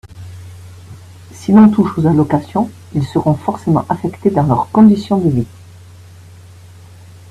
Si l’on touche aux allocations, ils seront forcément affectés dans leurs conditions de vie